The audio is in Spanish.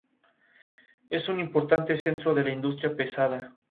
Zinóvieva-Annibal tomó el nombre de su ancestro cuando comenzó a escribir.